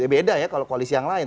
beda ya kalau koalisi yang lain